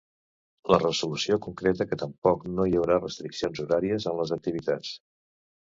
La resolució concreta que tampoc no hi haurà restriccions horàries en les activitats.